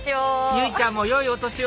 由依ちゃんも良いお年を！